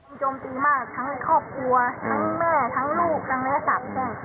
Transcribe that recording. มีโจมตีมากทั้งครอบครัวทั้งแม่ทั้งลูกทั้งนักยาศาสตร์